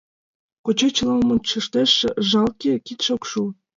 Коча чылымым ончыштеш: жалке, кидше ок шу.